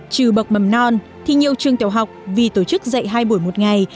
trừ bậc mầm non thì nhiều trường tiểu học vì tổ chức dạy hai buổi một ngày